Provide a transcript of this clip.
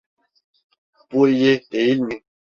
Bu iyi, değil mi?